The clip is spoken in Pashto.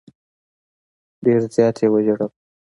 ډېر زیات یې وژړل.